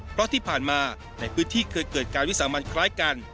เพราะที่ผ่านมาในพื้นที่เคยเกิดการวิสามันคล้ายกัน